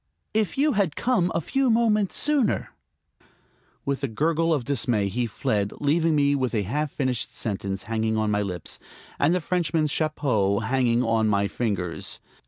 If you had come a few moments sooner...." With a gurgle of dismay he fled, leaving me with a half finished sentence hanging on my lips and the Frenchman's chapeau hanging on my fingers.